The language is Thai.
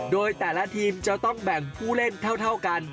โดยแต่ละทีมจะต้องแบ่งผู้เล่นเท่ากัน